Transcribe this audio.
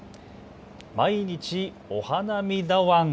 毎日、お花見だワン。